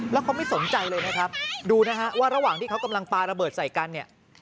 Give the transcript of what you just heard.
แล้วเขาไม่สนใจเลยนะครับดูนะฮะว่าระหว่างที่เขากำลังปาระเบิดใส่กันเนี่ย